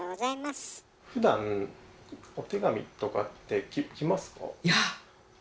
ふだんお手紙とかって来ますか？